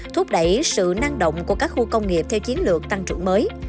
thúc đẩy sự năng động của các khu công nghiệp theo chiến lược tăng trưởng mới